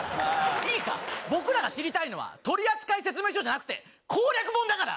いいか、僕らが知りたいのは、取り扱い説明書じゃなくて、攻略本だから。